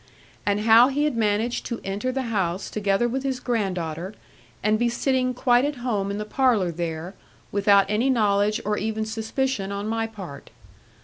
And how he had managed to enter the house together with his granddaughter, and be sitting quite at home in the parlour there, without any knowledge or even suspicion on my part.